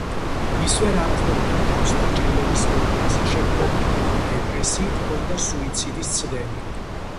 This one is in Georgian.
ის ვერ ართმევდა თავს დაჭრილების მოვლას, შეპყრობილი იყო დეპრესიით, ჰქონდა სუიციდის ცდები.